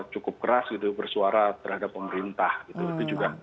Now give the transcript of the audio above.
cukup keras gitu bersuara terhadap pemerintah gitu juga